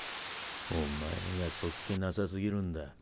お前が素っ気なさ過ぎるんだ。